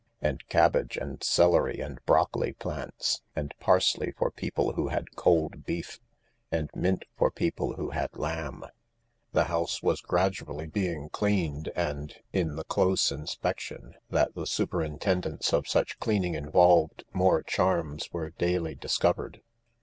And cabbage and celery and broccoli plants. And parsley for people who had cold beef. And mint for people who had lamb. The house was gradually being cleaned and in the close inspection that the superintendence of such cleaning involved more charms were daily discovered.